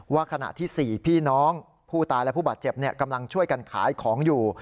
ขณะที่๔พี่น้องผู้ตายและผู้บาดเจ็บกำลังช่วยกันขายของอยู่